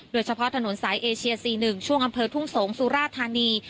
โดยเฉพาะถนนสายเอเชีย๔๑ช่วงอำเภอทุ่งสงศ์สุราธานี